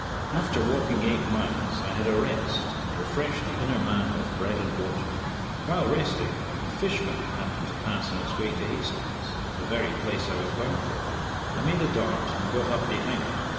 After walking eight miles, I had a rest, and refreshed the inner man with bread and water. While resting, a fish van happened to pass on its way to Hastings, the very place I was bound for. I made a dart and got up behind.